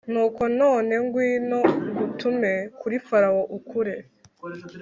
Nuko none ngwino ngutume kuri Farawo ukure